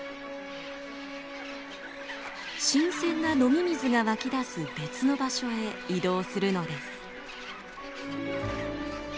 新鮮な飲み水が湧き出す別の場所へ移動するのです。